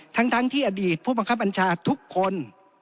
ทั้งที่อดีตผู้บังคับบัญชาทุกคน